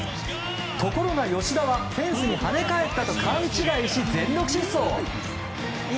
ところが吉田はフェンスに跳ね返ったと勘違いし、全力疾走。